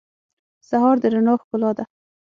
سهار د رڼا ښکلا ده.